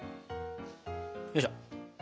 よいしょ！